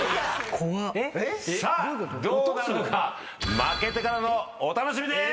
どうなるのか負けてからのお楽しみです！